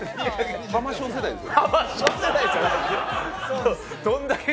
ハマショー世代ですよ。